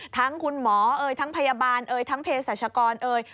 ทั้งคุณหมอเอ่ยทั้งพยาบาลเอ่ยทั้งเพศรัชกรเอ่ย